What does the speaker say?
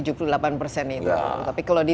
tapi kalau di timur mungkin masih